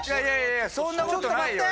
そんなことないよ！